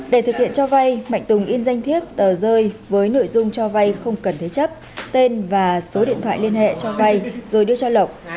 để thực hiện cho vay mạnh tùng in danh thiếp tờ rơi với nội dung cho vay không cần thế chấp tên và số điện thoại liên hệ cho vay rồi đưa cho lộc